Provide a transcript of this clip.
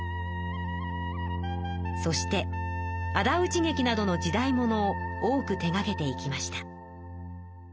そしてあだうち劇などの時代物を多く手がけていきました。